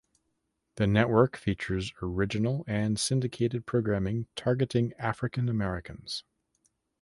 The network features original and syndicated programming targeting African Americans.